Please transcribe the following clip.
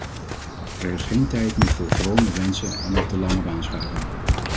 Er is geen tijd meer voor vrome wensen en op de lange baan schuiven!